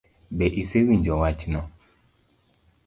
Be isewinjo wachno?